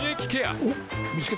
おっ見つけた。